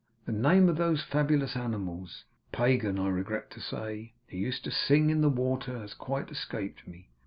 The name of those fabulous animals (pagan, I regret to say) who used to sing in the water, has quite escaped me.